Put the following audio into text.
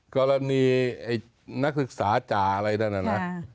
กรณีไอ้นักศึกษาจ่าอะไรด้านนั้นล่ะ